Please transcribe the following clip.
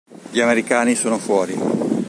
Gli americani sono fuori.